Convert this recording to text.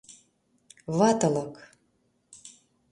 — Ватылык...